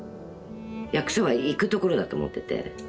役所は行くところだと思ってて。